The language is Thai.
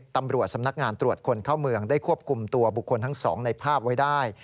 ตำรวจสำนักงานตรวจคนเข้าเมืองได้ควบคุมตัวบุคคลทั้งสองในภาพไว้ได้